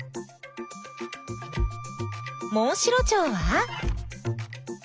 モンシロチョウは？